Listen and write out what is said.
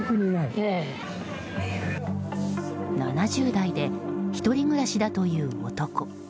７０代で１人暮らしだという男。